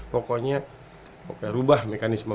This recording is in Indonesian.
pokoknya oke rubah mekanisme